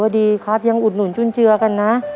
ดีครับยังอุดหนุนจุนเจือกันนะ